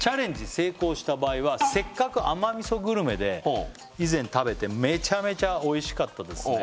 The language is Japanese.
成功した場合はせっかく甘味噌グルメで以前食べてめちゃめちゃおいしかったですね